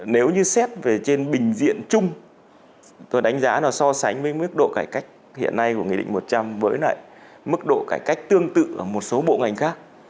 nếu như xét về trên bình diện chung tôi đánh giá nó so sánh với mức độ cải cách hiện nay của nghị định một trăm linh với lại mức độ cải cách tương tự ở một số bộ ngành khác